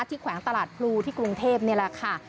แขวงตลาดพลูที่กรุงเทพนี่แหละค่ะ